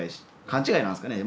勘違いなんですかね？